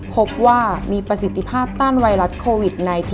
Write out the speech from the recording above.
พบว่ามีประสิทธิภาพต้านไวรัสโควิด๑๙